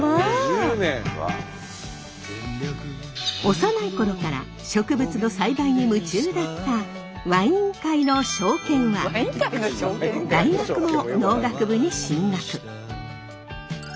幼い頃から植物の栽培に夢中だったワイン界のショーケンは大学も農学部に進学。